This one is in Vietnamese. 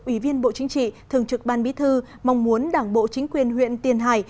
ủy viên bộ chính trị thường trực ban bí thư mong muốn đảng bộ chính quyền huyện tiền hải